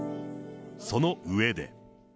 その上で。